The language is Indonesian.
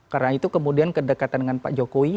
karena itu kemudian kedekatan dengan pak jokowi